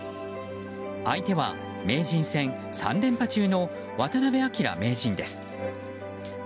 相手は名人戦３連覇中の渡辺明名人です。